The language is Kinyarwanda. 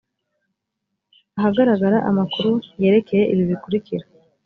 ahagaragara amakuru yerekeye ibi bikurikira